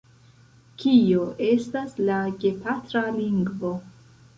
Kio estas la gepatra lingvo?